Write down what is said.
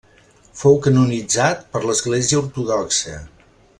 Fou canonitzat per l'Església Ortodoxa.